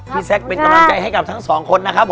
แซคเป็นกำลังใจให้กับทั้งสองคนนะครับผม